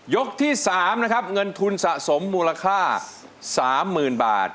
ที่๓นะครับเงินทุนสะสมมูลค่า๓๐๐๐บาท